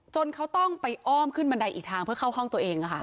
เขาต้องไปอ้อมขึ้นบันไดอีกทางเพื่อเข้าห้องตัวเอง